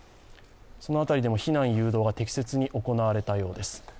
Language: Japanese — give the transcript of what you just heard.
その辺りでも避難誘導が適切に行われたようです。